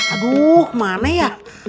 aduh mana ya